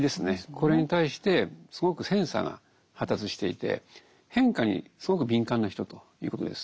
これに対してすごくセンサーが発達していて変化にすごく敏感な人ということです。